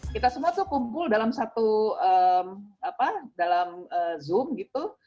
kita semua tuh kumpul dalam satu apa dalam zoom gitu